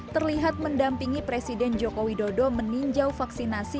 terlihat mendampingi presiden joko widodo meninjau vaksinasi